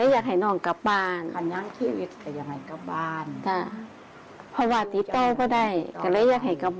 อยากให้น้องตายอยากให้กลับบ้าน